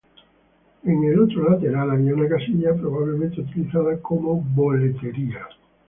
En el otro lateral había una casilla, probablemente utilizada como boletería.